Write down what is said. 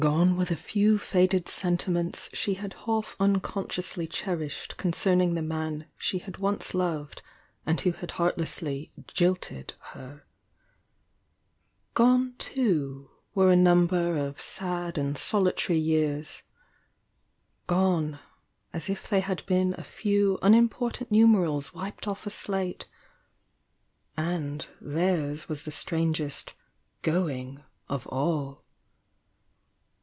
"— gone were the few faded sentiments she had half unconsciously cherished concerning the man she had once loved and who had heartlessly "jilted" her, — gore, too, were a number of sad and solitary years, — gone, as if they had been a few unimportant num erals wiped off a slate, — and theirs was the strang est "going" of all.